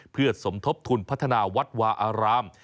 เพื่อสมทบทุนพัฒนาวัดวาอาราม